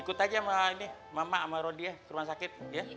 ikut aja sama ini mama sama rodi ya ke rumah sakit ya